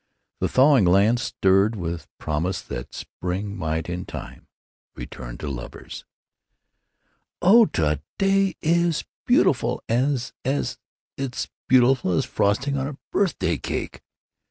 The thawing land stirred with a promise that spring might in time return to lovers. "Oh, to day is beautiful as—as—it's beautiful as frosting on a birthday cake!"